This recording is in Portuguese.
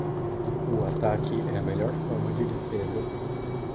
O ataque é a melhor forma de defesa.